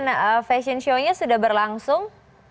fashion show nya sudah berlangsung